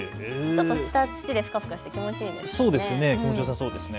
下、土でふかふかして気持ちよさそうですね。